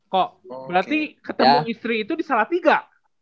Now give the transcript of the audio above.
kok berarti ketemu istri itu di salatiga